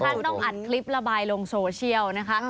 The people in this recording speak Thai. สถานที่ต้องอ่านคลิประบายลงโซเชียลนะคะ